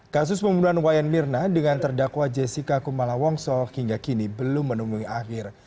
kasus pembunuhan wayan mirna dengan terdakwa jessica kumala wongso hingga kini belum menunggu akhir